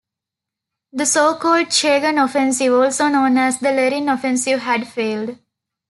The so-called Chegan Offensive, also known as the Lerin Offensive, had failed.